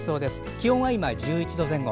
気温は今、１１度前後。